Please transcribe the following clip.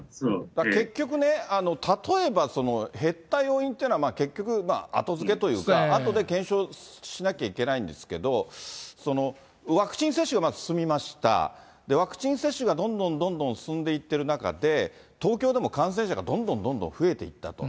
結局ね、例えば減った要因っていうのは、結局、後づけというか、あとで検証しなきゃいけないんですけど、ワクチン接種が進みました、ワクチン接種がどんどんどんどん進んでいってる中で、東京でも感染者がどんどんどんどん増えていったと。